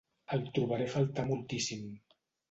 El trobaré a faltar moltíssim.